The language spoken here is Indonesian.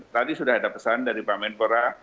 tadi sudah ada pesan dari pak menpora